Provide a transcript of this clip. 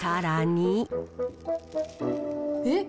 えっ？